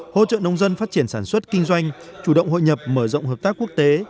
hỗ trợ nông dân phát triển sản xuất kinh doanh chủ động hội nhập mở rộng hợp tác quốc tế